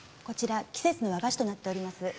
こちら季節の和菓子となっております。